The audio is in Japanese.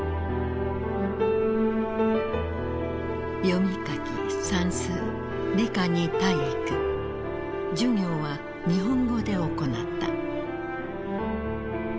読み書き算数理科に体育授業は日本語で行った。